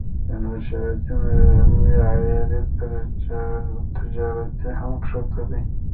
چې نشراتي معیار یې تر تجارتي هم ښکته دی.